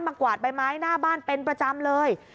กวาดใบไม้หน้าบ้านเป็นประจำเลย